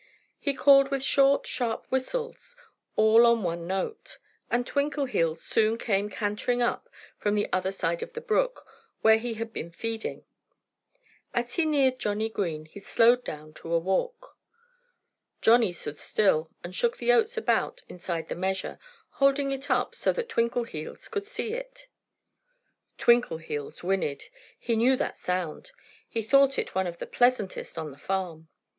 He called with short, sharp whistles all on one note. And Twinkleheels soon came cantering up from the other side of the brook, where he had been feeding. As he neared Johnnie Green he slowed down to a walk. Johnnie stood still and shook the oats about inside the measure, holding it up so that Twinkleheels could see it. Twinkleheels whinnied. He knew that sound. He thought it one of the pleasantest on the farm.